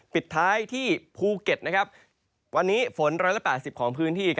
ปิดท้ายที่ภูเก็ตวันนี้ฝน๑๘๐ของพื้นที่